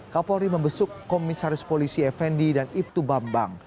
kapolri membesuk komisaris polisi fnd dan ibtu bambang